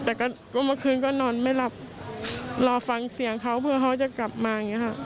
แต่วันเมื่อคืนก็นอนไม่หลับรอฟังเสียงเขาเพื่อเขาจะกลับมา